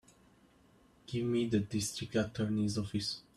Give me the District Attorney's office.